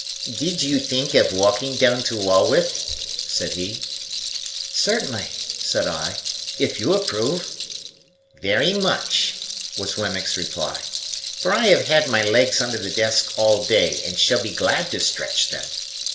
"Did you think of walking down to Walworth?" said he. "Certainly," said I, "if you approve." "Very much," was Wemmick's reply, "for I have had my legs under the desk all day, and shall be glad to stretch them.